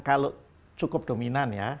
kalau cukup dominan ya